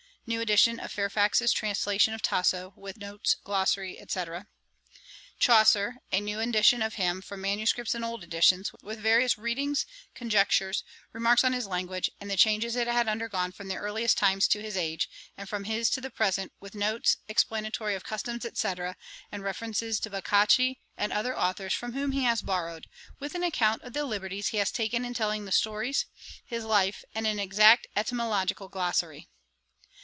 'New edition of Fairfax's Translation of Tasso, with notes, glossary, &c. 'Chaucer, a new edition of him, from manuscripts and old editions, with various readings, conjectures, remarks on his language, and the changes it had undergone from the earliest times to his age, and from his to the present: with notes explanatory of customs, &c., and references to Boccace, and other authours from whom he has borrowed, with an account of the liberties he has taken in telling the stories; his life, and an exact etymological glossary.